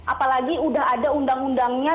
apalagi udah ada undang undangnya